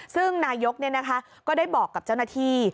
ซึ่งนายกก็ได้บอกกับเจ้าหน้าที่